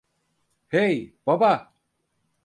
Hey, baba!